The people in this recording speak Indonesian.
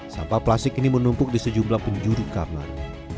sampah plastik ini menumpuk di sejumlah penjuru kamar